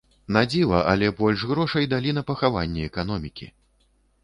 На дзіва, але больш грошай далі на пахаванне эканомікі.